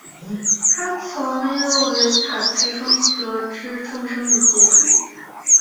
他从伊露维塔之中得知众生的结局。